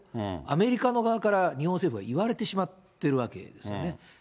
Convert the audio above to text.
アメリカの側から日本政府は言われてしまってるわけですよね。